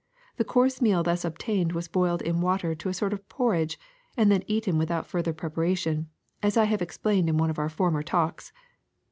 The coarse meal thus obtained was boiled in water to a sort of porridge and then eaten Avithout further prep aration, as I have explained in one of our former talks.''